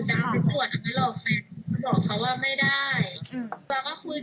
หนูบอกนะเอาไปกินเขาบอกเออนี่หนูกำลังพักพี่